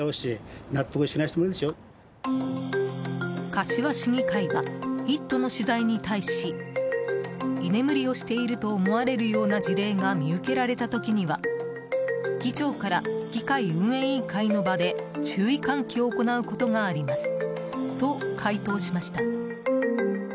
柏市議会は「イット！」の取材に対し居眠りをしていると思われるような事例が見受けられた時には議長から議会運営委員会の場で注意喚起を行うことがありますと回答しました。